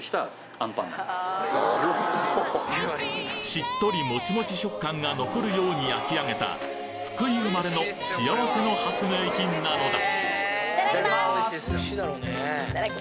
しっとりもちもち食感が残るように焼き上げた福井生まれの幸せの発明品なのだいただきます。